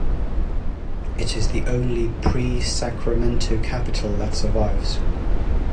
It is the only pre-Sacramento capitol that survives.